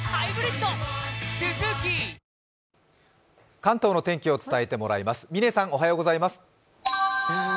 関東の天気を伝えてもらいます。